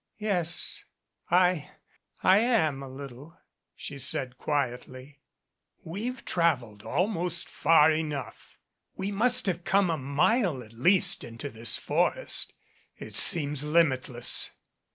"Yes, I I am a little," she said quietly. "We've traveled almost far enough. We must have come a mile at least into this forest. It seems limitless."